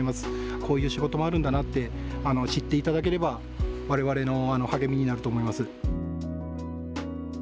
こういう仕事もあるんだなって知っていただければ、われわれの励みになると思います。